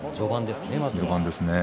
まず序盤ですね。